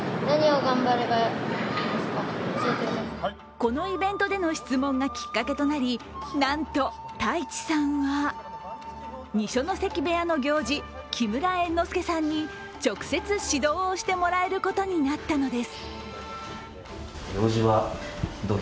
このイベントでの質問がきっかけとなりなんと、太智さんは二所ノ関部屋の行司木村猿之助さんに直接指導をしてもらえることになったのです。